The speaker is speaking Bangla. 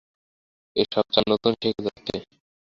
এ-সব চাল নূতন শেখা যাচ্ছে।